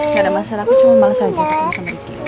gak ada masalah cuma males aja